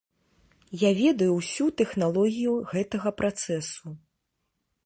Я ведаю ўсю тэхналогію гэтага працэсу.